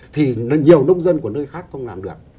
thì nhiều nông dân của nơi khác không làm được